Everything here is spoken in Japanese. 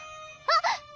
あっ！